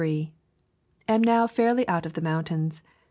Am now fairly out of S the mountains.